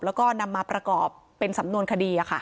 แล้วก็นำมาประกอบเป็นสำนวนคดี